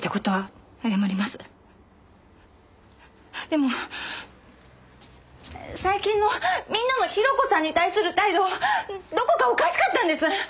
でも最近のみんなの広子さんに対する態度どこかおかしかったんです！